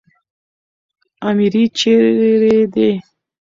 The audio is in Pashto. اميري چيري دئ؟